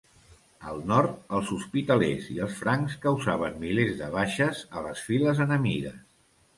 Al nord, els Hospitalers i els francs causaven milers de baixes a les files enemigues.